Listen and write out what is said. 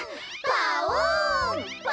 パオン！